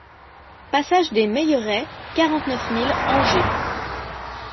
PASSAGE DES MEILLERAIES, quarante-neuf mille Angers